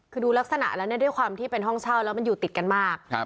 คือดูลักษณะแล้วเนี่ยด้วยความที่เป็นห้องเช่าแล้วมันอยู่ติดกันมาก